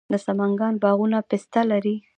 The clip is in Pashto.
د سمنګان باغونه پسته لري.